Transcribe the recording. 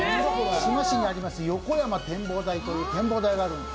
志摩市にあります横山展望台っていう展望台があるんです。